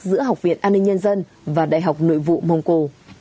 giữa học viện an ninh nhân dân và đại học nội vụ mông cổ